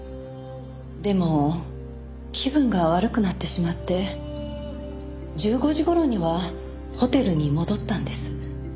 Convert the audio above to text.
でも気分が悪くなってしまって１５時頃にはホテルに戻ったんです。